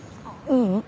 ううん。